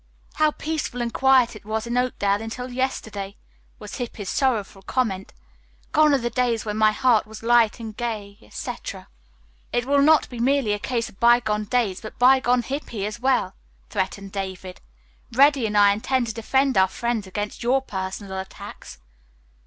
"How peaceful and quiet it was in Oakdale until yesterday," was Hippy's sorrowful comment. "'Gone are the days when my heart was light and gay,' etc." "It will be not merely a case of bygone days, but bygone Hippy as well," threatened David. "Reddy and I intend to defend our friends against your personal attacks."